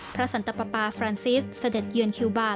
สันตปาฟรานซิสเสด็จเยือนคิวบาร์